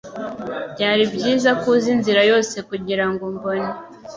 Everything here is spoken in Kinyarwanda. Byari byiza ko uza inzira yose kugirango umbone.